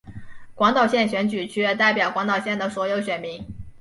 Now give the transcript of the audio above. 广岛县选举区代表广岛县的所有选民。